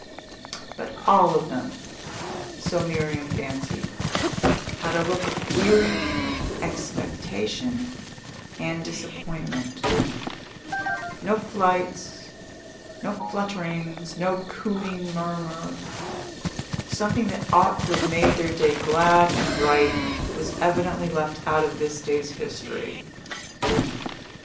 But all of them, so Miriam fancied, had a look of weary expectation and disappointment, no flights, no flutterings, no cooing murmur; something that ought to have made their day glad and bright was evidently left out of this day's history.